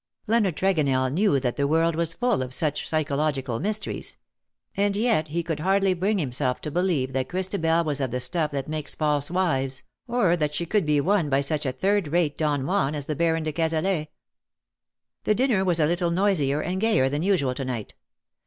Leonard Tregonell knew that the world was full of such psychological mysteries ; and yet he could hardly oring himself to believe that Christabel was of the stuff that makes false wives, or that she could be won by such a third rate Don Juan as the Baron de Cazalet. The dinner was a little noisier and gayer than usual to night.